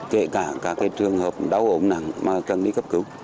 kể cả các trường hợp đau ổn nặng mà cần đi cấp cứu